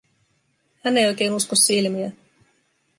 Hän ei oikein usko silmiään.